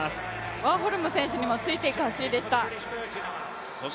ワーホルム選手にもついていく走りでした。